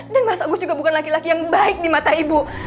dan mas agus juga bukan laki laki yang baik di mata ibu